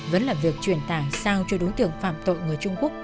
vẫn là việc truyền tải sao cho đối tượng phạm tội người trung quốc